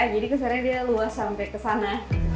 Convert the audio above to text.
jadi keseranya dia luas sampai ke sana